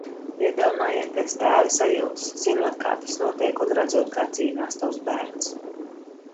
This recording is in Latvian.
Iedomājieties tēva sajūtas, zinot kā tas notiek un redzot kā cīnās tavs bērns.